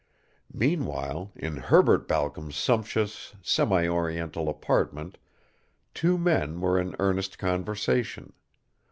Meanwhile, in Herbert Balcom's sumptuous, semi Oriental apartment two men were in earnest conversation.